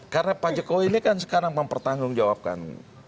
karena pak jokowi ini kan sekarang mempertanggung jawabkan